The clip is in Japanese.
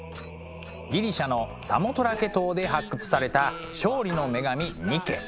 ギリシャのサモトラケ島で発掘された勝利の女神ニケ。